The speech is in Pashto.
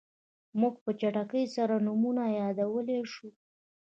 موږ په چټکۍ سره نومونه یادولی شو.